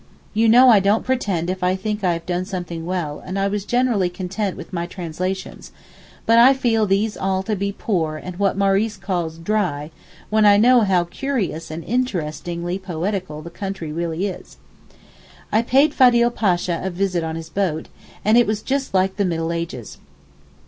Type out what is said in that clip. You know I don't 'pretend' if I think I have done something well and I was generally content with my translations, but I feel these all to be poor and what Maurice calls 'dry' when I know how curious and interesting and poetical the country really is. I paid Fadil Pasha a visit on his boat, and it was just like the middle ages.